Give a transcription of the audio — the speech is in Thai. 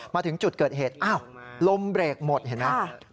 มาถึงจุดเกิดเหตุอ้าวลมเบรกหมดเห็นไหม